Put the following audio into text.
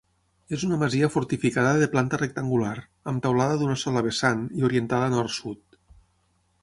És una masia fortificada de planta rectangular, amb teulada d'una sola vessant i orientada nord-sud.